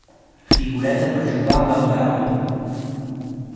Figureta per jugar amb en Bravo.